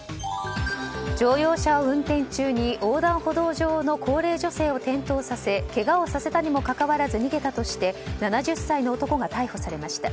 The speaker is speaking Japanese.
乗用車を運転中に横断歩道上の高齢女性を転倒させけがをさせたにもかかわらず逃げたとして、７０歳の男が逮捕されました。